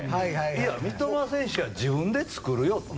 いや、三笘選手は自分で作るよと。